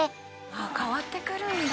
「変わってくるんだ」